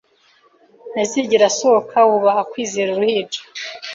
ntazigera asohoka Wubaha kwizera Uruhinja